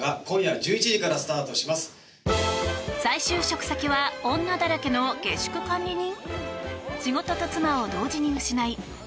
再就職先は女だらけの下宿管理人？